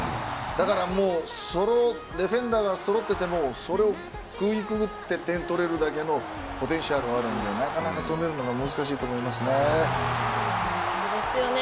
だからディフェンダーがそろっていてもそれをかいくぐって点を取れるだけのポテンシャルがあるのでなかなか止めるのがそうですよね。